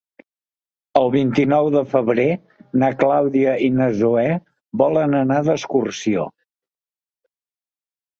El vint-i-nou de febrer na Clàudia i na Zoè volen anar d'excursió.